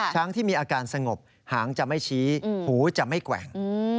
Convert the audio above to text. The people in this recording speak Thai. ช้างที่มีอาการสงบหางจะไม่ชี้หูจะไม่แกว่ง